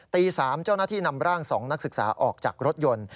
ตี๓เจ้าหน้าที่นำร่าง๒นักศึกษาออกจากรถยนต์